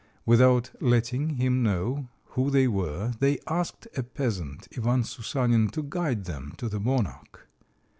Without letting him know who they were, they asked a peasant, Ivan Soussanin, to guide them to the monarch.